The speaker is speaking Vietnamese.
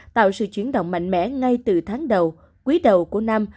tạo sự chuyển động mạnh mẽ ngay từ tháng đầu quý đầu của năm